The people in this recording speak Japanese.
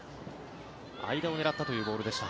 間を狙ったというボールでした。